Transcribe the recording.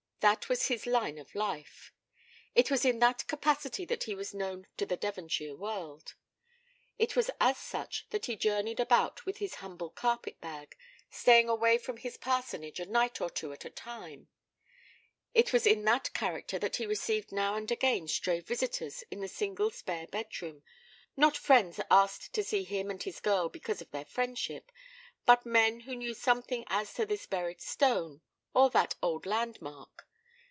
That was his line of life. It was in that capacity that he was known to the Devonshire world; it was as such that he journeyed about with his humble carpetbag, staying away from his parsonage a night or two at a time; it was in that character that he received now and again stray visitors in the single spare bedroom not friends asked to see him and his girl because of their friendship but men who knew something as to this buried stone, or that old land mark.